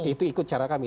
itu ikut cara kami